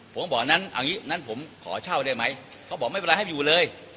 ผมบอกนั้นเอางี้นั้นผมขอเช่าได้ไหมเขาบอกไม่เป็นไรให้อยู่เลย